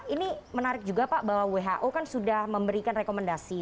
ini menarik juga pak bahwa who kan sudah memberikan rekomendasi